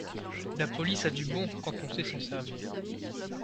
La police a du bon quand on sait s'en servir.